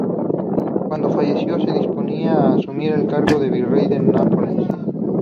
Cuando falleció, se disponía a asumir el cargo de Virrey de Nápoles.